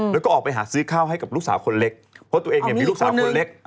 แล้วก็ออกไปหาซื้อข้าวให้กับลูกสาวคนเล็กเพราะตัวเองเนี่ยมีลูกสาวคนเล็ก